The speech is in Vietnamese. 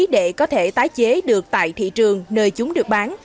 để có thể tái chế được tại thị trường nơi chúng được bán